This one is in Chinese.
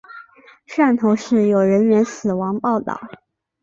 汕头市有人员死亡报导。